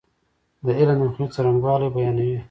دا علم د مخنیوي څرنګوالی بیانوي.